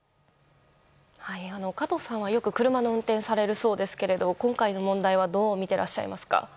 加藤さんはよく車の運転をされるそうですが今回の問題はどう見てらっしゃいますか？